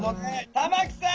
玉木さん